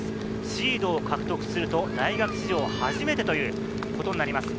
シードを獲得すると大学史上初めてということになります。